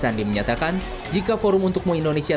sandi menyatakan jika forum untuk moe indonesia